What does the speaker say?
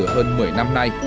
hơn một mươi năm nay